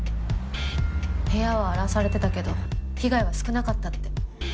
部屋は荒らされてたけど被害は少なかったって。